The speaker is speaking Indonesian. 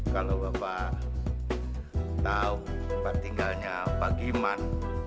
kalau bapak tahu tempat tinggalnya pak giman